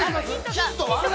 ヒントは？